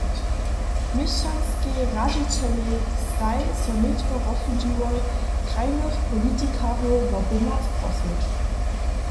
Měšćanskaj radźićelej staj so nětko rozsudźiłoj, krajnych politikarjow wo pomoc prosyć.